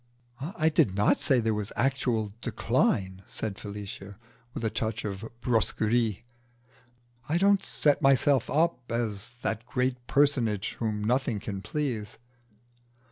"I did not say there was actual decline," said Felicia, with a touch of brusquerie. "I don't set myself up as the great personage whom nothing can please."